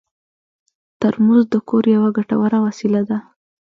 ترموز د کور یوه ګټوره وسیله ده.